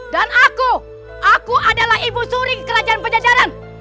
dan aku aku adalah ibu suri kerajaan penjajaran